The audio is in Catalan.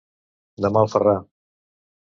De mal ferrar.